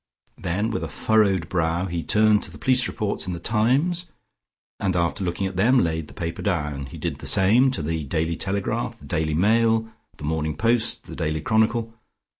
Then with a furrowed brow he turned to the police reports in the "Times" and after looking at them laid the paper down. He did the same to the "Daily Telegraph," the "Daily Mail," the "Morning Post," the "Daily Chronicle."